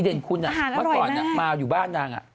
อิเดนคุณนะอาหารอร่อยแม่งอ่ะพก่อนมาอยู่บ้านนาง